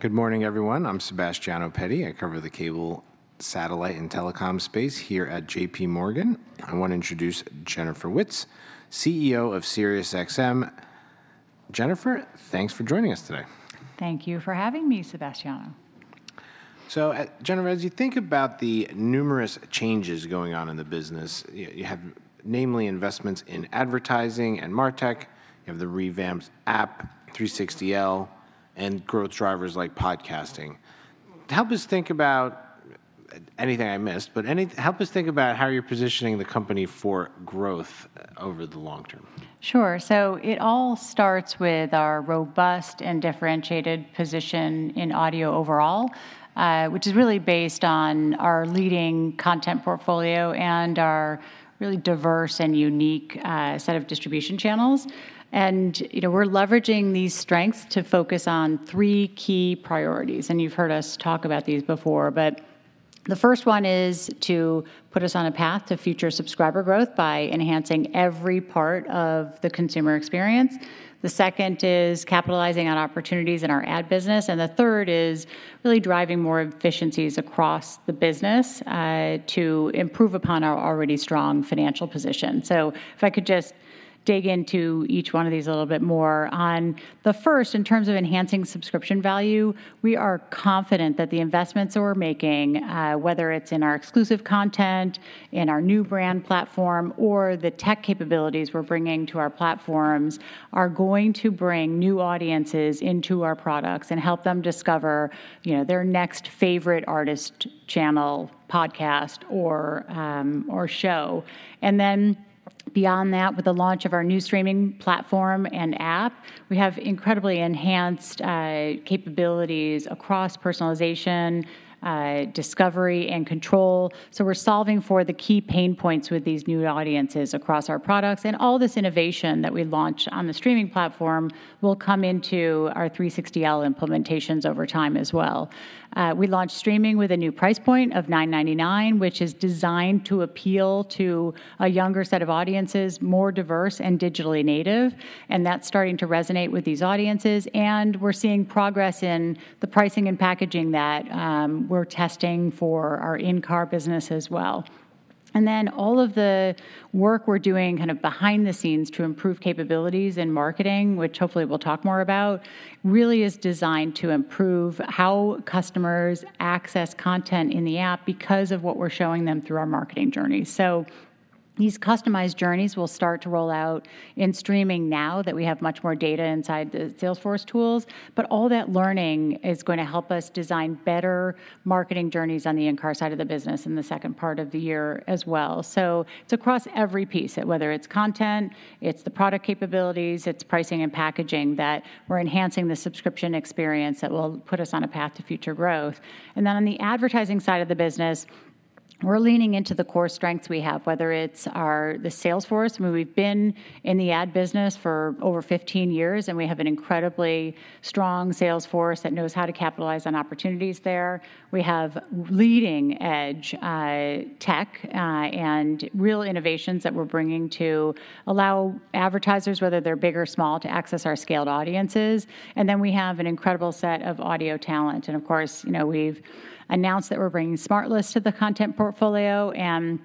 Good morning, everyone. I'm Sebastiano Petti. I cover the cable, satellite, and telecom space here at J.P. Morgan. I want to introduce Jennifer Witz, CEO of SiriusXM. Jennifer, thanks for joining us today. Thank you for having me, Sebastiano. So, Jennifer, as you think about the numerous changes going on in the business, you have namely investments in advertising and MarTech, you have the revamped app, 360L, and growth drivers like podcasting. Help us think about, anything I missed, but help us think about how you're positioning the company for growth, over the long term? Sure. So it all starts with our robust and differentiated position in audio overall, which is really based on our leading content portfolio and our really diverse and unique set of distribution channels. And, you know, we're leveraging these strengths to focus on three key priorities, and you've heard us talk about these before. But the first one is to put us on a path to future subscriber growth by enhancing every part of the consumer experience. The second is capitalizing on opportunities in our ad business, and the third is really driving more efficiencies across the business to improve upon our already strong financial position. So if I could just dig into each one of these a little bit more. On the first, in terms of enhancing subscription value, we are confident that the investments that we're making, whether it's in our exclusive content, in our new brand platform, or the tech capabilities we're bringing to our platforms, are going to bring new audiences into our products and help them discover, you know, their next favorite artist, channel, podcast, or show. And then beyond that, with the launch of our new streaming platform and app, we have incredibly enhanced capabilities across personalization, discovery, and control. So we're solving for the key pain points with these new audiences across our products, and all this innovation that we launched on the streaming platform will come into our 360L implementations over time as well. We launched streaming with a new price point of $9.99, which is designed to appeal to a younger set of audiences, more diverse and digitally native, and that's starting to resonate with these audiences. And we're seeing progress in the pricing and packaging that we're testing for our in-car business as well. And then all of the work we're doing kind of behind the scenes to improve capabilities in marketing, which hopefully we'll talk more about, really is designed to improve how customers access content in the app because of what we're showing them through our marketing journey. So these customized journeys will start to roll out in streaming now that we have much more data inside the Salesforce tools, but all that learning is going to help us design better marketing journeys on the in-car side of the business in the second part of the year as well. So it's across every piece, whether it's content, it's the product capabilities, it's pricing and packaging, that we're enhancing the subscription experience that will put us on a path to future growth. And then on the advertising side of the business, we're leaning into the core strengths we have, whether it's the sales force, where we've been in the ad business for over 15 years, and we have an incredibly strong sales force that knows how to capitalize on opportunities there. We have leading-edge tech and real innovations that we're bringing to allow advertisers, whether they're big or small, to access our scaled audiences. And then we have an incredible set of audio talent. And of course, you know, we've announced that we're bringing SmartLess to the content portfolio, and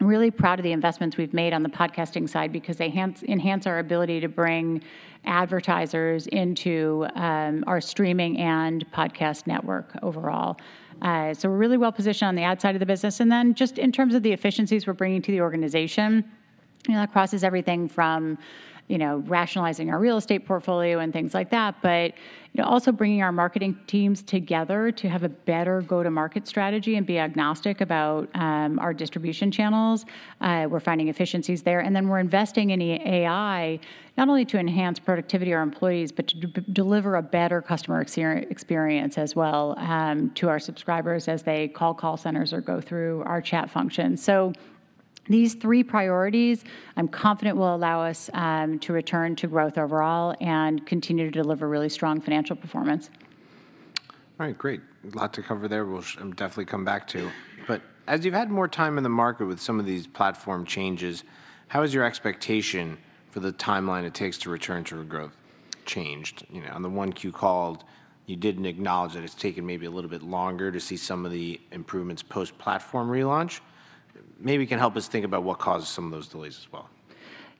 I'm really proud of the investments we've made on the podcasting side because they enhance our ability to bring advertisers into our streaming and podcast network overall. So we're really well-positioned on the ad side of the business. And then just in terms of the efficiencies we're bringing to the organization, you know, that crosses everything from, you know, rationalizing our real estate portfolio and things like that, but, you know, also bringing our marketing teams together to have a better go-to-market strategy and be agnostic about our distribution channels. We're finding efficiencies there, and then we're investing in AI, not only to enhance productivity of our employees, but to deliver a better customer experience as well, to our subscribers as they call centers or go through our chat function. So these three priorities, I'm confident, will allow us, to return to growth overall and continue to deliver really strong financial performance. All right, great. A lot to cover there, we'll definitely come back to. But as you've had more time in the market with some of these platform changes, how has your expectation for the timeline it takes to return to growth changed? You know, on the 1Q call, you didn't acknowledge that it's taken maybe a little bit longer to see some of the improvements post-platform relaunch. Maybe you can help us think about what caused some of those delays as well.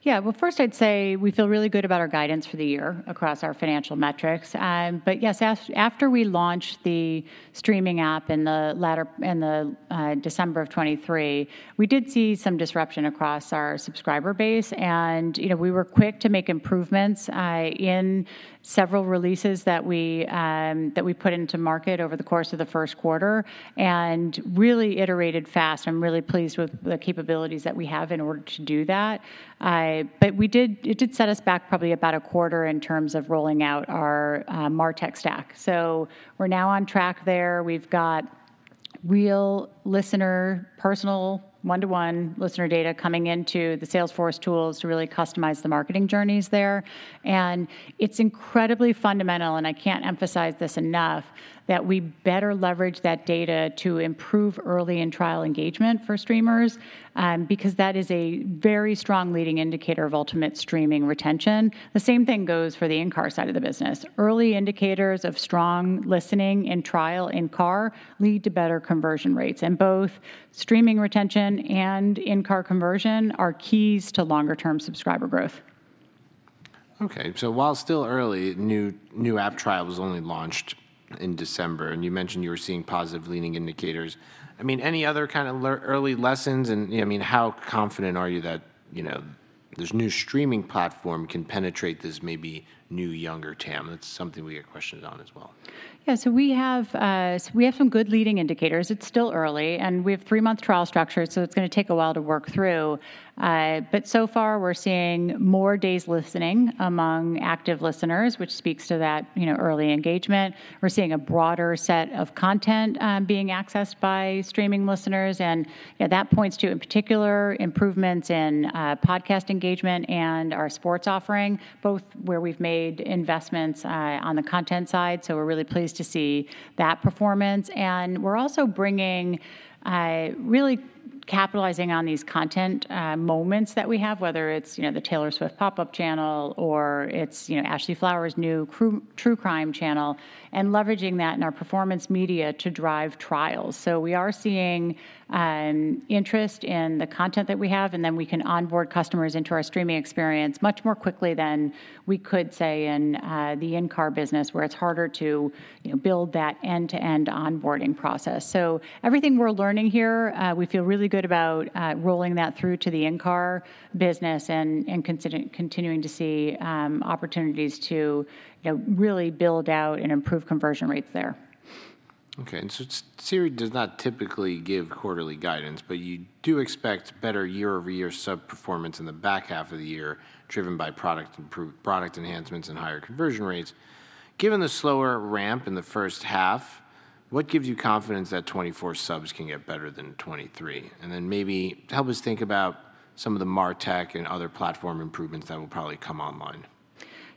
Yeah. Well, first, I'd say we feel really good about our guidance for the year across our financial metrics. But yes, after we launched the streaming app in December of 2023, we did see some disruption across our subscriber base, and, you know, we were quick to make improvements in several releases that we that we put into market over the course of the first quarter and really iterated fast. I'm really pleased with the capabilities that we have in order to do that. But it did set us back probably about a quarter in terms of rolling out our MarTech stack. So we're now on track there. We've got real listener, personal, one-to-one listener data coming into the Salesforce tools to really customize the marketing journeys there. It's incredibly fundamental, and I can't emphasize this enough, that we better leverage that data to improve early and trial engagement for streamers, because that is a very strong leading indicator of ultimate streaming retention. The same thing goes for the in-car side of the business. Early indicators of strong listening and trial in-car lead to better conversion rates, and both streaming retention and in-car conversion are keys to longer-term subscriber growth. Okay, so while still early, new app trial was only launched in December, and you mentioned you were seeing positive leading indicators. I mean, any other kind of early lessons? And, you know, I mean, how confident are you that, you know, this new streaming platform can penetrate this maybe new, younger TAM? That's something we get questioned on as well. Yeah, so we have some good leading indicators. It's still early, and we have three-month trial structure, so it's gonna take a while to work through. But so far, we're seeing more days listening among active listeners, which speaks to that, you know, early engagement. We're seeing a broader set of content being accessed by streaming listeners, and yeah, that points to, in particular, improvements in podcast engagement and our sports offering, both where we've made investments on the content side. So we're really pleased to see that performance. And we're also bringing really capitalizing on these content moments that we have, whether it's, you know, the Taylor Swift pop-up channel or it's, you know, Ashley Flowers' new true crime channel, and leveraging that in our performance media to drive trials. So we are seeing interest in the content that we have, and then we can onboard customers into our streaming experience much more quickly than we could, say, in the in-car business, where it's harder to, you know, build that end-to-end onboarding process. So everything we're learning here, we feel really good about rolling that through to the in-car business and continuing to see opportunities to, you know, really build out and improve conversion rates there. Okay, so SiriusXM does not typically give quarterly guidance, but you do expect better year-over-year sub performance in the back half of the year, driven by product enhancements and higher conversion rates. Given the slower ramp in the first half, what gives you confidence that 2024 subs can get better than in 2023? And then maybe help us think about some of the MarTech and other platform improvements that will probably come online.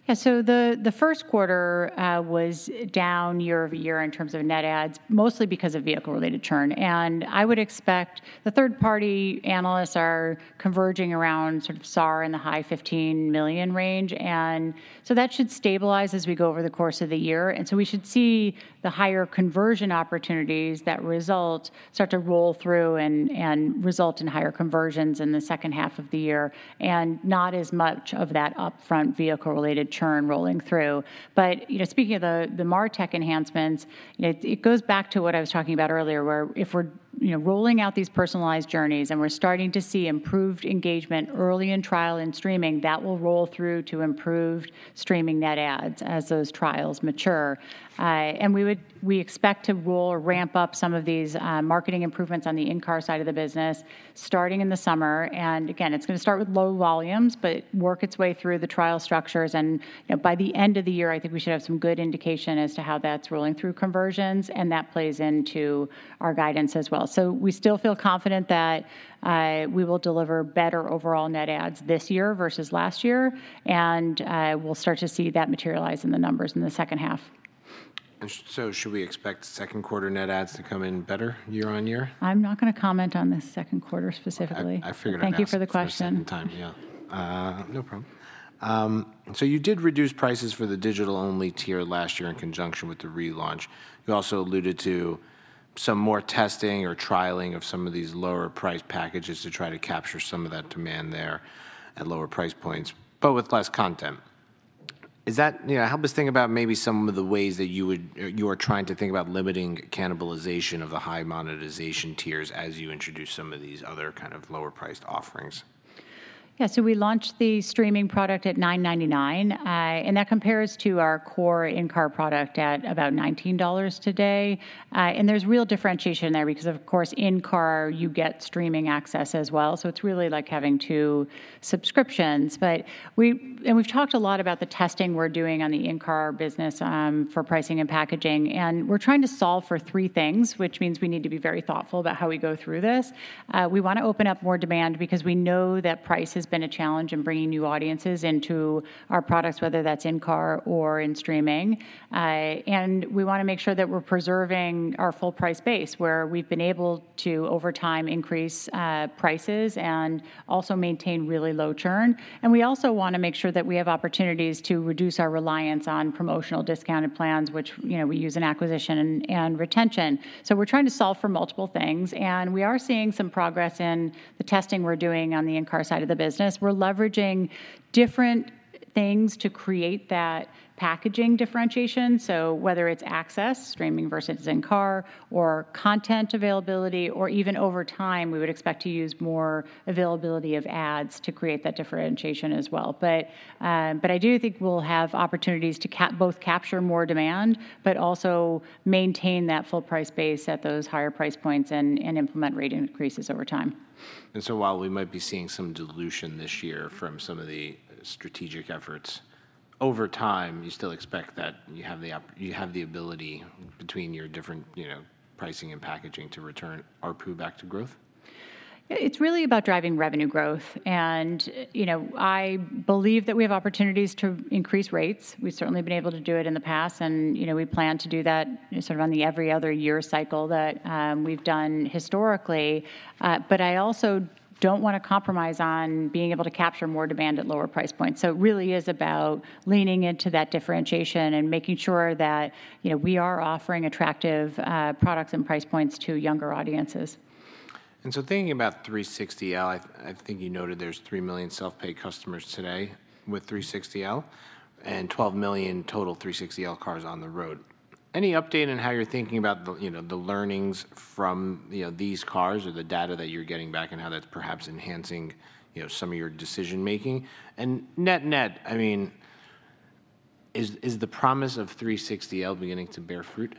Yeah, so the first quarter was down year-over-year in terms of net adds, mostly because of vehicle-related churn. And I would expect the third-party analysts are converging around sort of SAR in the high 15 million range, and so that should stabilize as we go over the course of the year. And so we should see the higher conversion opportunities that result start to roll through and result in higher conversions in the second half of the year, and not as much of that upfront vehicle-related churn rolling through. But, you know, speaking of the MarTech enhancements, it goes back to what I was talking about earlier, where if we're, you know, rolling out these personalized journeys and we're starting to see improved engagement early in trial and streaming, that will roll through to improved streaming net adds as those trials mature. And we expect to roll or ramp up some of these, marketing improvements on the in-car side of the business, starting in the summer. And again, it's gonna start with low volumes, but work its way through the trial structures, and, you know, by the end of the year, I think we should have some good indication as to how that's rolling through conversions, and that plays into our guidance as well. So we still feel confident that, we will deliver better overall net adds this year versus last year, and, we'll start to see that materialize in the numbers in the second half. Should we expect second quarter net adds to come in better year-over-year? I'm not gonna comment on the second quarter specifically. Okay. I figured I'd ask- Thank you for the question. For a second time. Yeah. No problem. So you did reduce prices for the digital-only tier last year in conjunction with the relaunch. You also alluded to some more testing or trialing of some of these lower-priced packages to try to capture some of that demand there at lower price points, but with less content. Is that... You know, help us think about maybe some of the ways that you are trying to think about limiting cannibalization of the high monetization tiers as you introduce some of these other kind of lower-priced offerings? Yeah, so we launched the streaming product at $9.99, and that compares to our core in-car product at about $19 today. And there's real differentiation there because, of course, in-car, you get streaming access as well, so it's really like having two subscriptions. But we... And we've talked a lot about the testing we're doing on the in-car business, for pricing and packaging, and we're trying to solve for three things, which means we need to be very thoughtful about how we go through this. We wanna open up more demand because we know that price has been a challenge in bringing new audiences into our products, whether that's in-car or in streaming. And we wanna make sure that we're preserving our full price base, where we've been able to, over time, increase, prices and also maintain really low churn. And we also wanna make sure that we have opportunities to reduce our reliance on promotional discounted plans, which, you know, we use in acquisition and, and retention. So we're trying to solve for multiple things, and we are seeing some progress in the testing we're doing on the in-car side of the business. We're leveraging different things to create that packaging differentiation. So whether it's access, streaming versus in-car, or content availability, or even over time, we would expect to use more availability of ads to create that differentiation as well. But, but I do think we'll have opportunities to both capture more demand, but also maintain that full price base at those higher price points and, and implement rate increases over time. So while we might be seeing some dilution this year from some of the strategic efforts, over time, you still expect that you have the ability between your different, you know, pricing and packaging to return ARPU back to growth? It's really about driving revenue growth, and, you know, I believe that we have opportunities to increase rates. We've certainly been able to do it in the past, and, you know, we plan to do that sort of on the every other year cycle that we've done historically. But I also don't wanna compromise on being able to capture more demand at lower price points. So it really is about leaning into that differentiation and making sure that, you know, we are offering attractive products and price points to younger audiences. And so thinking about 360L, I, I think you noted there's 3 million self-pay customers today with 360L, and 12 million total 360L cars on the road. Any update on how you're thinking about the, you know, the learnings from, you know, these cars or the data that you're getting back and how that's perhaps enhancing, you know, some of your decision making? And net-net, I mean, is, is the promise of 360L beginning to bear fruit?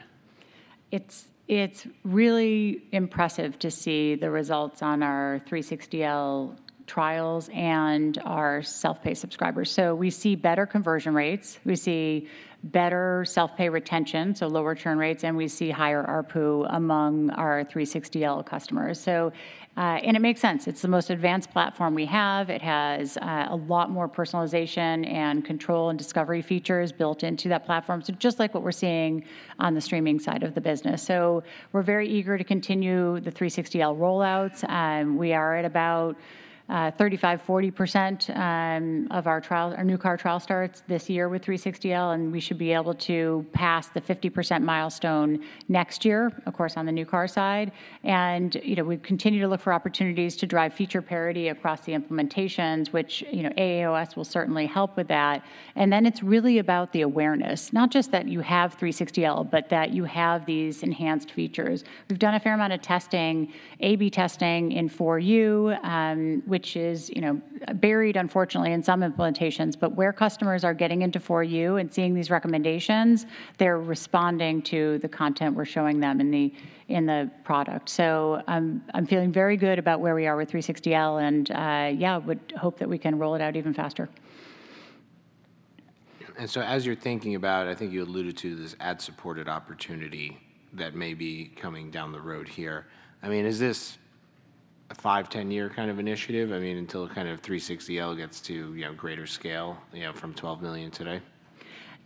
It's really impressive to see the results on our 360L trials and our self-pay subscribers. So we see better conversion rates, we see better self-pay retention, so lower churn rates, and we see higher ARPU among our 360L customers. So, and it makes sense. It's the most advanced platform we have. It has a lot more personalization and control and discovery features built into that platform, so just like what we're seeing on the streaming side of the business. So we're very eager to continue the 360L rollouts, we are at about 35%-40% of our trial, our new car trial starts this year with 360L, and we should be able to pass the 50% milestone next year, of course, on the new car side. You know, we continue to look for opportunities to drive feature parity across the implementations, which, you know, AAOS will certainly help with that. Then it's really about the awareness, not just that you have 360L, but that you have these enhanced features. We've done a fair amount of testing, A/B testing in For You, which is, you know, buried, unfortunately, in some implementations. But where customers are getting into For You and seeing these recommendations, they're responding to the content we're showing them in the product. I'm feeling very good about where we are with 360L and, yeah, would hope that we can roll it out even faster. And so as you're thinking about, I think you alluded to this ad-supported opportunity that may be coming down the road here. I mean, is this a 5, 10-year kind of initiative? I mean, until kind of 360L gets to, you know, greater scale, you know, from 12 million today.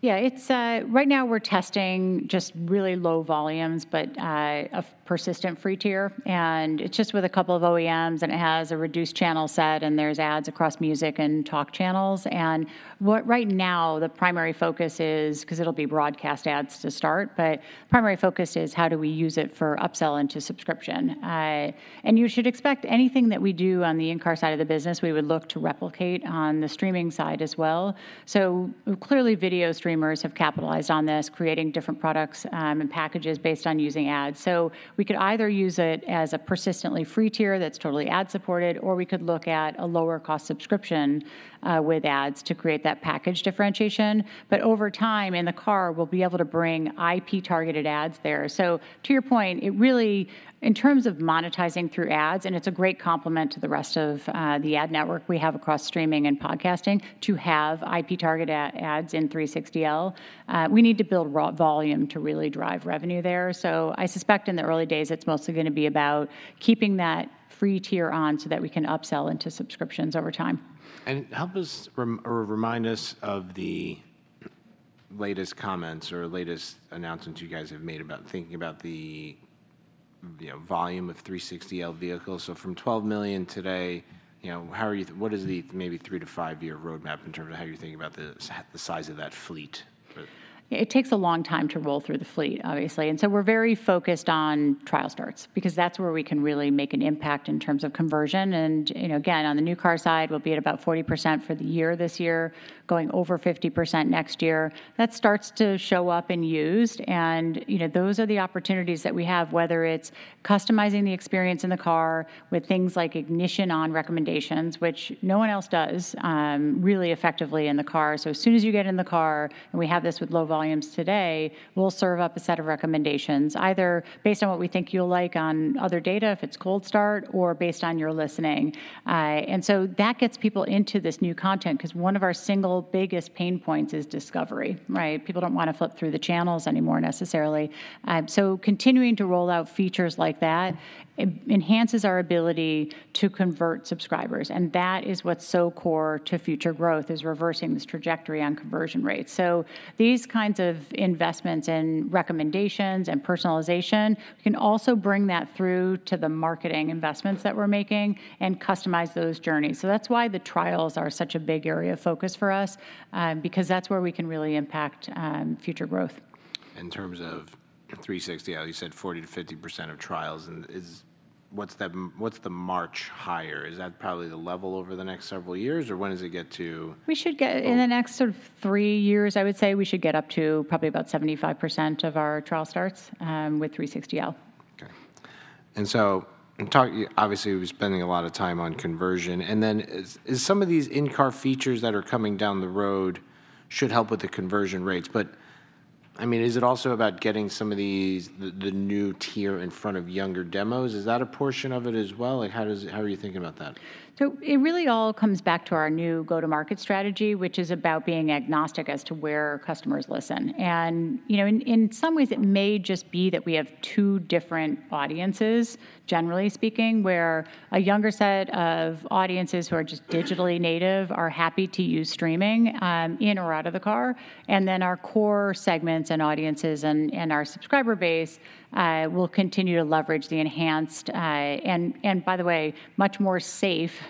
Yeah, it's right now, we're testing just really low volumes, but a persistent free tier, and it's just with a couple of OEMs, and it has a reduced channel set, and there's ads across music and talk channels. And what right now, the primary focus is, 'cause it'll be broadcast ads to start, but primary focus is how do we use it for upsell into subscription? And you should expect anything that we do on the in-car side of the business, we would look to replicate on the streaming side as well. So clearly, video streamers have capitalized on this, creating different products and packages based on using ads. So we could either use it as a persistently free tier that's totally ad-supported, or we could look at a lower-cost subscription with ads to create that package differentiation. But over time, in the car, we'll be able to bring IP-targeted ads there. So to your point, it really, in terms of monetizing through ads, and it's a great complement to the rest of, the ad network we have across streaming and podcasting, to have IP-targeted ads in 360L, we need to build raw volume to really drive revenue there. So I suspect in the early days, it's mostly gonna be about keeping that free tier on, so that we can upsell into subscriptions over time. Help us remind us of the latest comments or latest announcements you guys have made about thinking about the, you know, volume of 360L vehicles. So from 12 million today, you know, how are you—what is the maybe 3- to 5-year roadmap in terms of how you're thinking about the size of that fleet? It takes a long time to roll through the fleet, obviously. And so we're very focused on trial starts because that's where we can really make an impact in terms of conversion. And, you know, again, on the new car side, we'll be at about 40% for the year this year, going over 50% next year. That starts to show up in used, and, you know, those are the opportunities that we have, whether it's customizing the experience in the car with things like ignition-on recommendations, which no one else does, really effectively in the car. So as soon as you get in the car, and we have this with low volumes today, we'll serve up a set of recommendations, either based on what we think you'll like on other data, if it's cold start, or based on your listening. And so that gets people into this new content, 'cause one of our single biggest pain points is discovery, right? People don't want to flip through the channels anymore necessarily. So continuing to roll out features like that enhances our ability to convert subscribers, and that is what's so core to future growth, is reversing this trajectory on conversion rates. So these kinds of investments in recommendations and personalization can also bring that through to the marketing investments that we're making and customize those journeys. So that's why the trials are such a big area of focus for us, because that's where we can really impact future growth. In terms of 360L, you said 40%-50% of trials. And is what's the margin higher? Is that probably the level over the next several years, or when does it get to- We should get in the next sort of three years, I would say, we should get up to probably about 75% of our trial starts with 360L. Okay. And so obviously, we're spending a lot of time on conversion, and then is some of these in-car features that are coming down the road should help with the conversion rates, but, I mean, is it also about getting some of these, the new tier in front of younger demos? Is that a portion of it as well? Like, how are you thinking about that? So it really all comes back to our new go-to-market strategy, which is about being agnostic as to where customers listen. And, you know, in some ways, it may just be that we have two different audiences, generally speaking, where a younger set of audiences who are just digitally native are happy to use streaming in or out of the car. And then, our core segments and audiences and our subscriber base will continue to leverage the enhanced and by the way, much more safe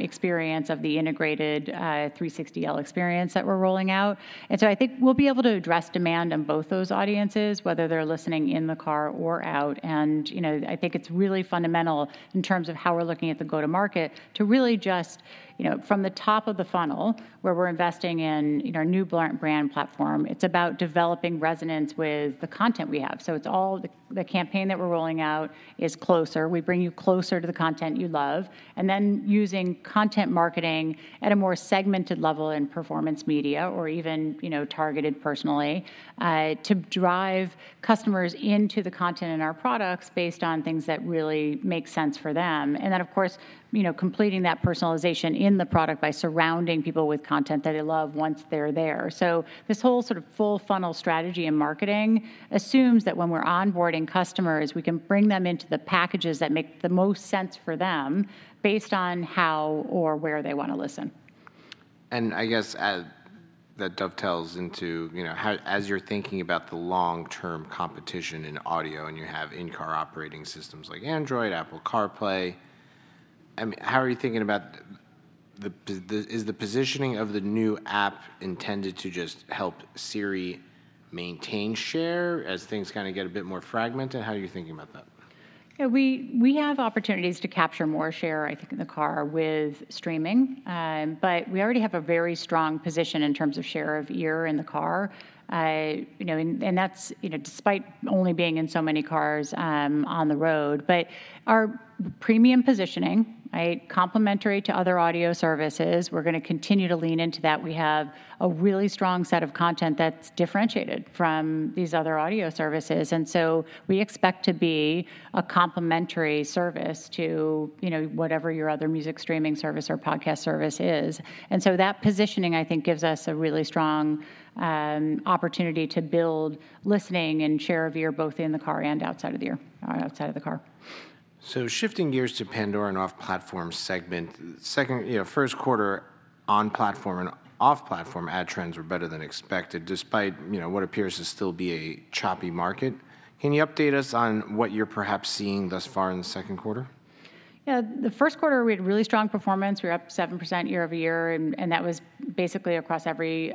experience of the integrated 360L experience that we're rolling out. And so I think we'll be able to address demand on both those audiences, whether they're listening in the car or out. You know, I think it's really fundamental in terms of how we're looking at the go-to-market to really just, you know, from the top of the funnel, where we're investing in, you know, our new brand platform, it's about developing resonance with the content we have. So it's all the campaign that we're rolling out is closer. We bring you closer to the content you love. And then, using content marketing at a more segmented level in performance media or even, you know, targeted personally to drive customers into the content and our products based on things that really make sense for them. And then, of course, you know, completing that personalization in the product by surrounding people with content that they love once they're there. This whole sort of full funnel strategy in marketing assumes that when we're onboarding customers, we can bring them into the packages that make the most sense for them based on how or where they wanna listen. I guess that dovetails into, you know, how as you're thinking about the long-term competition in audio, and you have in-car operating systems like Android, Apple CarPlay, I mean, how are you thinking about the positioning of the new app intended to just help Sirius maintain share as things kinda get a bit more fragmented? How are you thinking about that? Yeah, we have opportunities to capture more share, I think, in the car with streaming. But we already have a very strong position in terms of share of ear in the car. You know, and that's, you know, despite only being in so many cars on the road. But our premium positioning, right, complementary to other audio services, we're gonna continue to lean into that. We have a really strong set of content that's differentiated from these other audio services, and so we expect to be a complementary service to, you know, whatever your other music streaming service or podcast service is. And so that positioning, I think, gives us a really strong opportunity to build listening and share of ear, both in the car and outside of the ear, or outside of the car. So shifting gears to Pandora and off-platform segment. Second, you know, first quarter on-platform and off-platform ad trends were better than expected, despite, you know, what appears to still be a choppy market. Can you update us on what you're perhaps seeing thus far in the second quarter? Yeah. The first quarter, we had really strong performance. We were up 7% year-over-year, and that was basically across every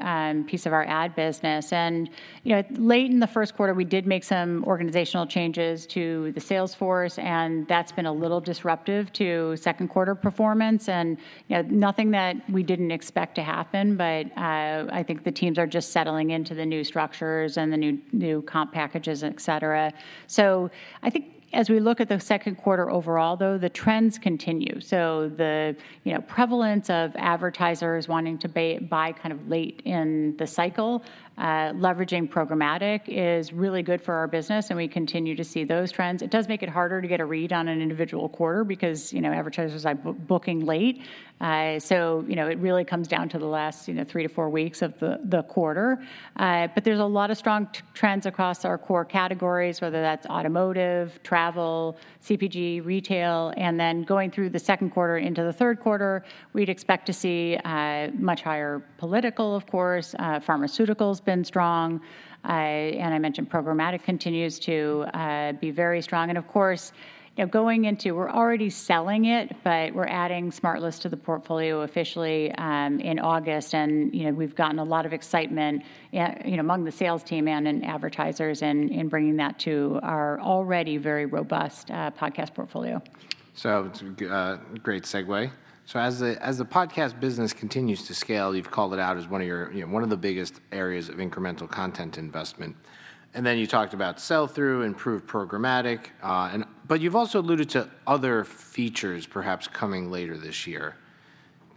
piece of our ad business. And, you know, late in the first quarter, we did make some organizational changes to the sales force, and that's been a little disruptive to second quarter performance. And, you know, nothing that we didn't expect to happen, but I think the teams are just settling into the new structures and the new comp packages, et cetera. So I think as we look at the second quarter overall, though, the trends continue. So the, you know, prevalence of advertisers wanting to buy kind of late in the cycle, leveraging programmatic is really good for our business, and we continue to see those trends. It does make it harder to get a read on an individual quarter because, you know, advertisers are booking late. So, you know, it really comes down to the last, you know, three to four weeks of the quarter. But there's a lot of strong trends across our core categories, whether that's automotive, travel, CPG, retail. And then, going through the second quarter into the third quarter, we'd expect to see much higher political, of course pharmaceutical's been strong. And I mentioned programmatic continues to be very strong. And of course, you know, going into... We're already selling it, but we're adding SmartLess to the portfolio officially in August. And, you know, we've gotten a lot of excitement, you know, among the sales team and in advertisers and in bringing that to our already very robust podcast portfolio. So it's a great segue. So as the podcast business continues to scale, you've called it out as one of your, you know, one of the biggest areas of incremental content investment. And then, you talked about sell-through, improved programmatic, and but you've also alluded to other features perhaps coming later this year.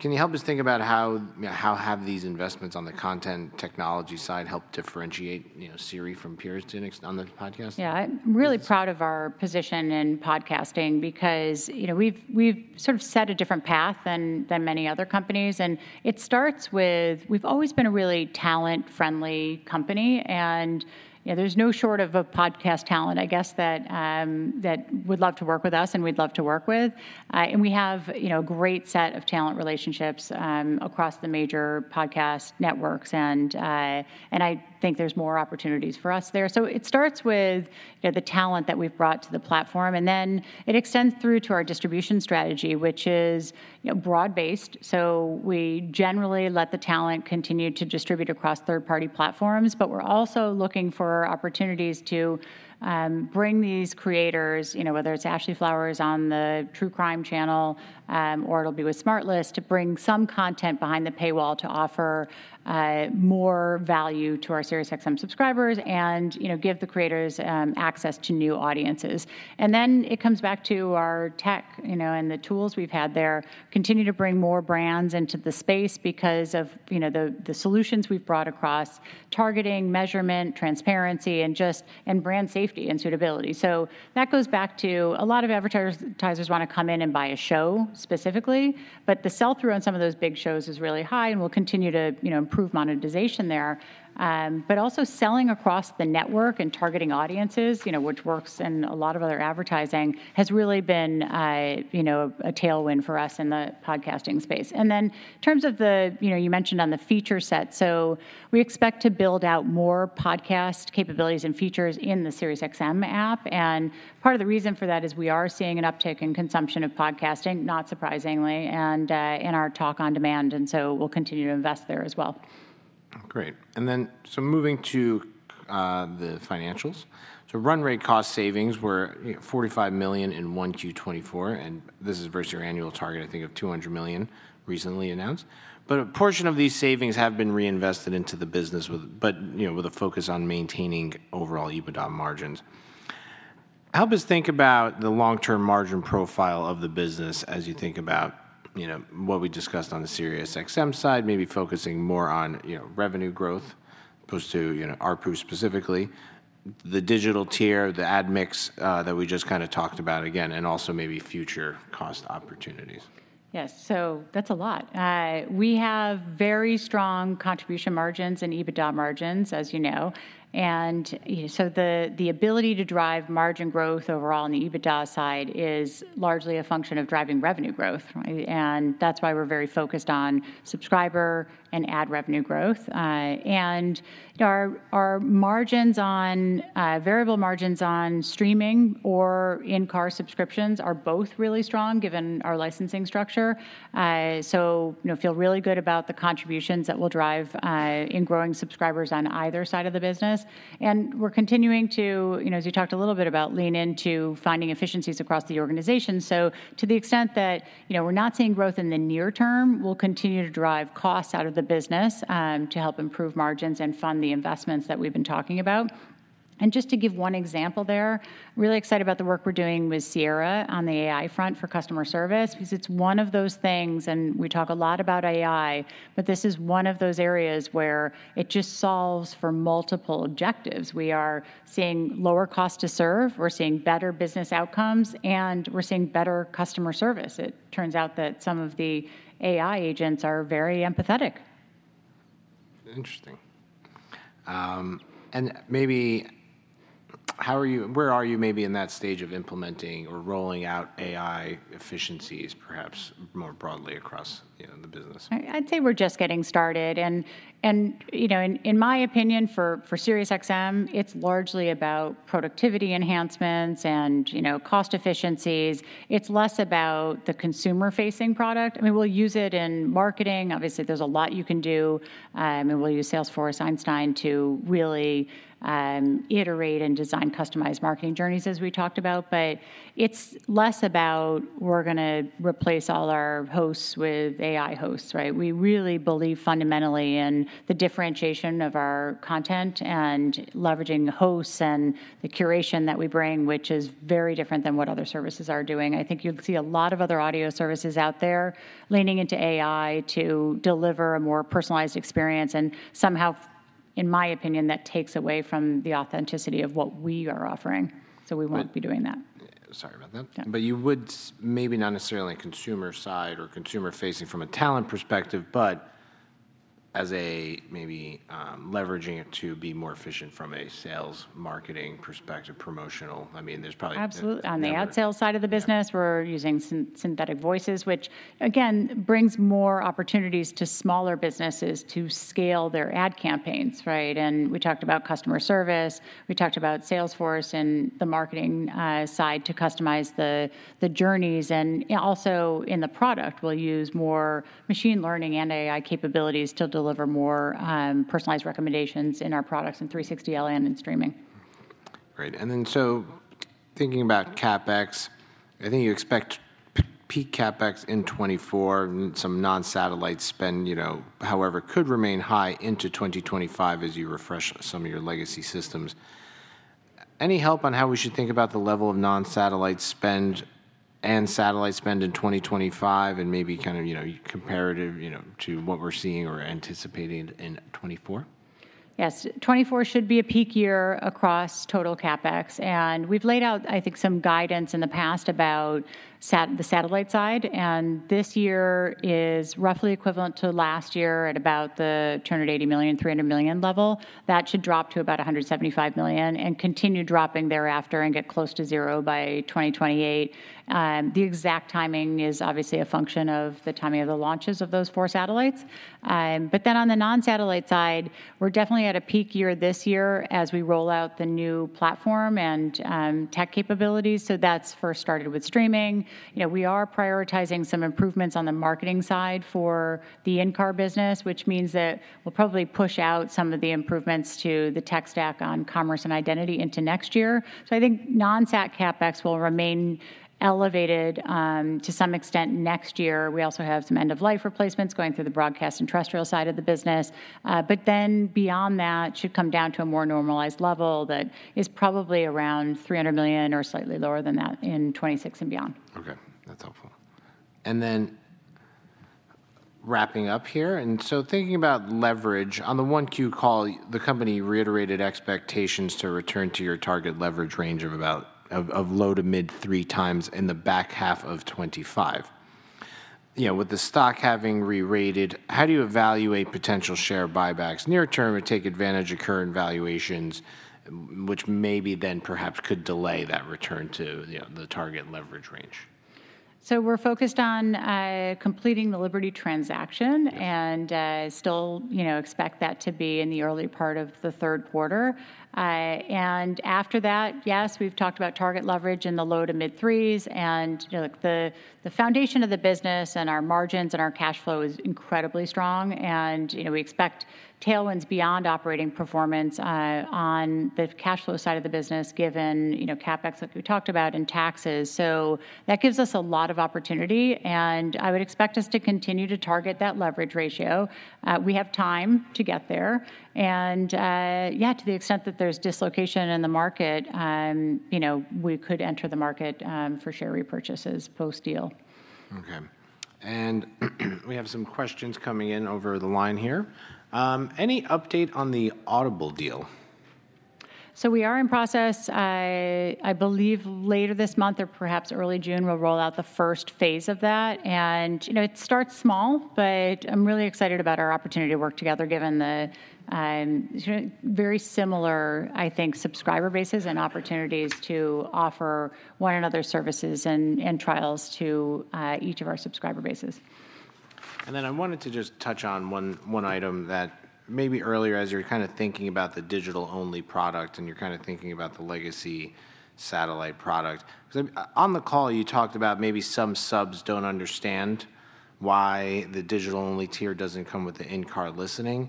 Can you help us think about how, you know, how have these investments on the content technology side helped differentiate, you know, Sirius from peers to next on the podcast? Yeah. Yes. I'm really proud of our position in podcasting because, you know, we've sort of set a different path than many other companies, and it starts with we've always been a really talent-friendly company. And, you know, there's no shortage of podcast talent, I guess that would love to work with us and we'd love to work with. And we have, you know, a great set of talent relationships across the major podcast networks, and I think there's more opportunities for us there. So it starts with, you know, the talent that we've brought to the platform, and then it extends through to our distribution strategy, which is, you know, broad-based. So we generally let the talent continue to distribute across third-party platforms, but we're also looking for opportunities to bring these creators, you know, whether it's Ashley Flowers on the True Crime Channel, or it'll be with SmartLess, to bring some content behind the paywall to offer more value to our SiriusXM subscribers and, you know, give the creators access to new audiences. And then, it comes back to our tech, you know, and the tools we've had there continue to bring more brands into the space because of, you know, the, the solutions we've brought across: targeting, measurement, transparency, and just and brand safety and suitability. So that goes back to a lot of advertisers, advertisers wanna come in and buy a show specifically, but the sell-through on some of those big shows is really high and will continue to, you know, improve monetization there. But also selling across the network and targeting audiences, you know, which works in a lot of other advertising, has really been, you know, a tailwind for us in the podcasting space. And then, in terms of the, you know, you mentioned on the feature set, so we expect to build out more podcast capabilities and features in the SiriusXM app. And part of the reason for that is we are seeing an uptick in consumption of podcasting, not surprisingly, and in our talk on demand, and so we'll continue to invest there as well. Great. Then, so moving to the financials. So run rate cost savings were, you know, $45 million in 1Q 2024, and this is versus your annual target, I think, of $200 million recently announced. But a portion of these savings have been reinvested into the business, but, you know, with a focus on maintaining overall EBITDA margins. Help us think about the long-term margin profile of the business as you think about, you know, what we discussed on the SiriusXM side, maybe focusing more on, you know, revenue growth as opposed to, you know, ARPU specifically, the digital tier, the ad mix, that we just kinda talked about again, and also maybe future cost opportunities. Yes. So that's a lot. We have very strong contribution margins and EBITDA margins, as you know, and, you know, so the ability to drive margin growth overall on the EBITDA side is largely a function of driving revenue growth, right? And that's why we're very focused on subscriber and ad revenue growth. And, you know, our margins on variable margins on streaming or in-car subscriptions are both really strong, given our licensing structure. So, you know, feel really good about the contributions that we'll drive in growing subscribers on either side of the business. And we're continuing to, you know, as you talked a little bit about, lean into finding efficiencies across the organization. So to the extent that, you know, we're not seeing growth in the near term, we'll continue to drive costs out of the business, to help improve margins and fund the investments that we've been talking about. And just to give one example there, really excited about the work we're doing with Sierra on the AI front for customer service, because it's one of those things, and we talk a lot about AI, but this is one of those areas where it just solves for multiple objectives. We are seeing lower cost to serve, we're seeing better business outcomes, and we're seeing better customer service. It turns out that some of the AI agents are very empathetic. Interesting. And maybe how are you, where are you maybe in that stage of implementing or rolling out AI efficiencies, perhaps more broadly across, you know, the business? I'd say we're just getting started. And you know, in my opinion, for SiriusXM, it's largely about productivity enhancements and, you know, cost efficiencies. It's less about the consumer-facing product. I mean, we'll use it in marketing. Obviously, there's a lot you can do, and we'll use Salesforce Einstein to really iterate and design customized marketing journeys, as we talked about. But it's less about we're gonna replace all our hosts with AI hosts, right? We really believe fundamentally in the differentiation of our content and leveraging the hosts and the curation that we bring, which is very different than what other services are doing. I think you'll see a lot of other audio services out there leaning into AI to deliver a more personalized experience, and somehow, in my opinion, that takes away from the authenticity of what we are offering, so we won't- But- -be doing that. Sorry about that. Yeah. But you would maybe not necessarily on consumer side or consumer-facing from a talent perspective, but as a maybe, leveraging it to be more efficient from a sales, marketing perspective, promotional. I mean, there's probably. Absolutely. Yeah. On the ad sales side of the business- Yeah We're using synthetic voices, which again, brings more opportunities to smaller businesses to scale their ad campaigns, right? And we talked about customer service, we talked about Salesforce and the marketing side to customize the journeys, and, yeah, also in the product, we'll use more machine learning and AI capabilities to deliver more, personalized recommendations in our products in 360L and in streaming. Great. Thinking about CapEx, I think you expect peak CapEx in 2024, and some non-satellite spend, you know, however, could remain high into 2025 as you refresh some of your legacy systems. Any help on how we should think about the level of non-satellite spend and satellite spend in 2025, and maybe kind of, you know, comparative, you know, to what we're seeing or anticipating in 2024? Yes. 2024 should be a peak year across total CapEx, and we've laid out, I think, some guidance in the past about the satellite side, and this year is roughly equivalent to last year at about the $300 million-$380 million level. That should drop to about $175 million and continue dropping thereafter and get close to zero by 2028. The exact timing is obviously a function of the timing of the launches of those 4 satellites. But then on the non-satellite side, we're definitely at a peak year this year as we roll out the new platform and tech capabilities, so that's first started with streaming. You know, we are prioritizing some improvements on the marketing side for the in-car business, which means that we'll probably push out some of the improvements to the tech stack on commerce and identity into next year. So I think non-sat CapEx will remain elevated, to some extent next year. We also have some end-of-life replacements going through the broadcast and terrestrial side of the business, but then beyond that, should come down to a more normalized level that is probably around $300 million or slightly lower than that in 2026 and beyond. Okay, that's helpful. Then wrapping up here, so thinking about leverage, on the 1Q call, the company reiterated expectations to return to your target leverage range of about low- to mid-3 times in the back half of 2025. You know, with the stock having re-rated, how do you evaluate potential share buybacks near-term or take advantage of current valuations, which maybe then perhaps could delay that return to, you know, the target leverage range? .So we're focused on completing the Liberty transaction, and still, you know, expect that to be in the early part of the third quarter. And after that, yes, we've talked about target leverage in the low to mid threes, and, you know, like, the foundation of the business and our margins and our cash flow is incredibly strong. And, you know, we expect tailwinds beyond operating performance on the cash flow side of the business, given, you know, CapEx like we talked about, and taxes. So that gives us a lot of opportunity, and I would expect us to continue to target that leverage ratio. We have time to get there, and yeah, to the extent that there's dislocation in the market, you know, we could enter the market for share repurchases post-deal. Okay. We have some questions coming in over the line here. Any update on the Audible deal? So we are in process. I believe later this month or perhaps early June, we'll roll out the first phase of that. You know, it starts small, but I'm really excited about our opportunity to work together given the, you know, very similar, I think, subscriber bases and opportunities to offer one another services and trials to each of our subscriber bases. And then I wanted to just touch on one, one item that maybe earlier, as you were kinda thinking about the digital-only product, and you're kinda thinking about the legacy satellite product. 'Cause, on the call, you talked about maybe some subs don't understand why the digital-only tier doesn't come with the in-car listening.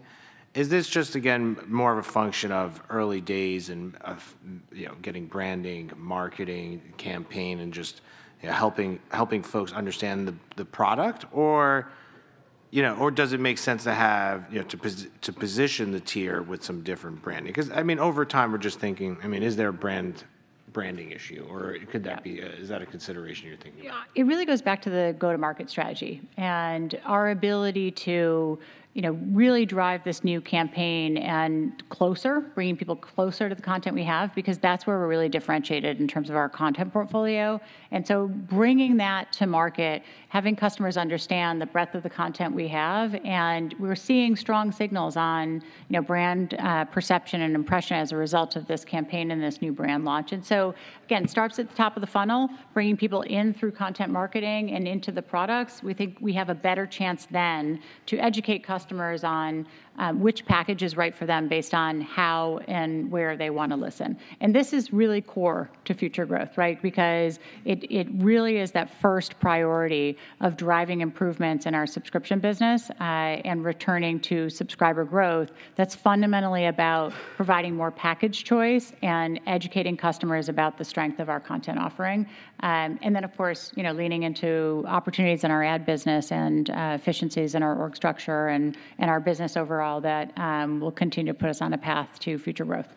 Is this just, again, more of a function of early days and of, you know, getting branding, marketing, campaign, and just, you know, helping, helping folks understand the, the product? Or, you know, or does it make sense to have... you know, to position the tier with some different branding? 'Cause, I mean, over time, we're just thinking, I mean, is there a branding issue, or could that be a- Yeah. Is that a consideration you're thinking about? Yeah. It really goes back to the go-to-market strategy and our ability to, you know, really drive this new campaign and closer, bringing people closer to the content we have, because that's where we're really differentiated in terms of our content portfolio. And so bringing that to market, having customers understand the breadth of the content we have, and we're seeing strong signals on, you know, brand, perception and impression as a result of this campaign and this new brand launch. And so, again, it starts at the top of the funnel, bringing people in through content marketing and into the products. We think we have a better chance then to educate customers on, which package is right for them based on how and where they wanna listen. And this is really core to future growth, right? Because it really is that first priority of driving improvements in our subscription business, and returning to subscriber growth that's fundamentally about providing more package choice and educating customers about the strength of our content offering. And then, of course, you know, leaning into opportunities in our ad business and, efficiencies in our org structure and, and our business overall that, will continue to put us on a path to future growth.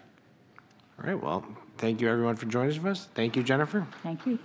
All right. Well, thank you everyone for joining us. Thank you, Jennifer. Thank you.